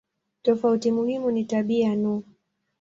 Tofauti muhimu ni tabia no.